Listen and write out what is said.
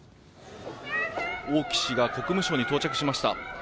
王毅氏が国務省に到着しました。